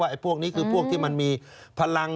ไอ้พวกนี้คือพวกที่มันมีพลัง